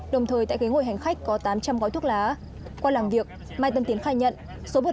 đồng thời tại ghế ngồi hành khách có tám trăm linh gói thuốc lá qua làm việc mai tân tiến khai nhận số bột